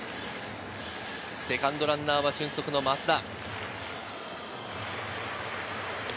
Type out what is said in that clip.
セカンドランナーは俊足の増田。